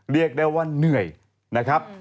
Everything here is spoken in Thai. เรียกได้ว่าเหนื่อยนะครับ